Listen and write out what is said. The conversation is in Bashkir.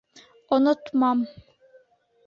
— Онотмам.